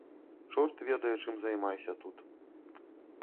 Чорт ведае чым займайся тут.